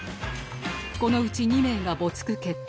このうち２名が没句決定